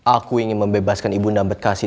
aku ingin membebaskan ibu nambet kasih